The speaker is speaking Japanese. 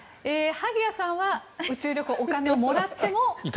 萩谷さんは宇宙旅行お金をもらっても？